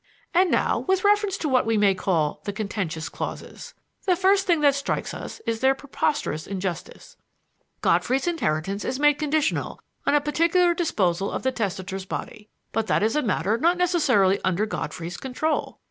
"And now with reference to what we may call the contentious clauses: the first thing that strikes us is their preposterous injustice. Godfrey's inheritance is made conditional on a particular disposal of the testator's body. But this is a matter not necessarily under Godfrey's control.